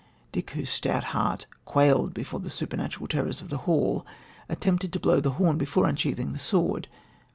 Dick, whose stout heart quailed before the supernatural terrors of the hall, attempted to blow the horn before unsheathing the sword.